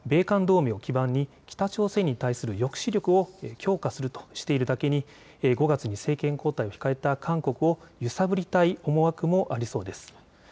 ユン氏は米韓同盟を基盤に北朝鮮に対する抑止力を強化するとしているだけに５月に政権交代を控えた韓国を揺さぶりたい思惑もありそうです。